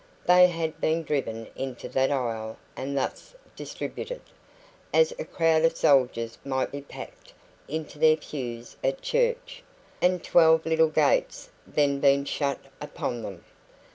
They had been driven into that aisle and thus distributed, as a crowd of soldiers might be packed into their pews at church, and twelve little gates had then been shut upon them.